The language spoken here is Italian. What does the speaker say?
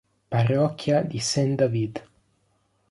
Parrocchia di Saint David